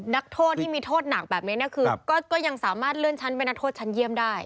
นักโทษที่มีโทษหนักแบบนี้เนี่ยคือก็ยังสามารถเลื่อนชั้นเป็นนักโทษชั้นเยี่ยมได้